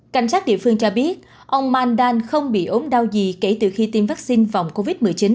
cảnh sát địa phương cho biết ông mandan không bị ốm đau gì kể từ khi tiêm vaccine phòng covid một mươi chín